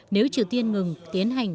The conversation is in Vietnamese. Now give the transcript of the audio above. nếu triều tiên ngừng tiến hành